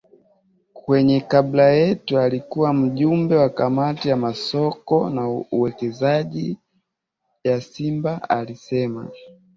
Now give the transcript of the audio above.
kwenye klabu yetu alikuwa mjumbe wa kamati ya Masoko na Uwekezaji ya Simba alisema